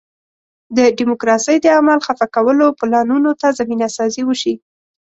د ډیموکراسۍ د عمل خفه کولو پلانونو ته زمینه سازي وشي.